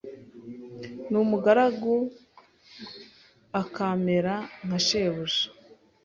n’umugaragu akamera nka Shebuja.